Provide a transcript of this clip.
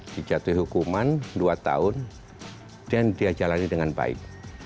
dijatuhi hukuman dua tahun dan dia jalani dengan baik